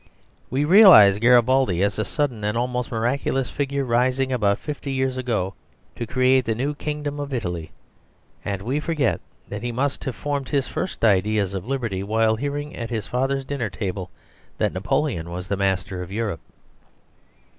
We realise Garibaldi as a sudden and almost miraculous figure rising about fifty years ago to create the new Kingdom of Italy, and we forget that he must have formed his first ideas of liberty while hearing at his father's dinner table that Napoleon was the master of Europe.